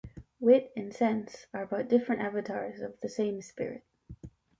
Wit and sense are but different avatars of the same spirit.